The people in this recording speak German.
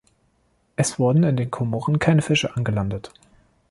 Es wurden in den Komoren keine Fische angelandet.